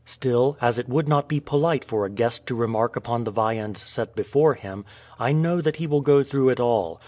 Still, as it would not be polite for a guest to remark upon the viands set before him, I know that he will go through it all.